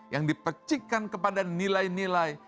yang dipecikkan kepada nilai nilai